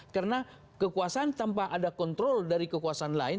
karena kekuasaan tanpa ada kontrol dari kekuasaan lain